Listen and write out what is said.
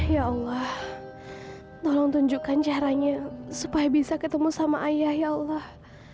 ya allah tolong tunjukkan caranya supaya bisa ketemu sama ayah ya allah